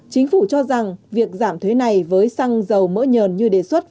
chính phủ cho rằng việc giảm thuế này với xăng dầu mỡ nhờn như đề xuất